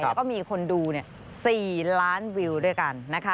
แล้วก็มีคนดู๔ล้านวิวด้วยกันนะคะ